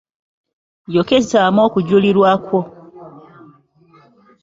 Yokesaamu okujulirwa kwo.